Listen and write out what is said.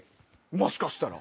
もしかしたら。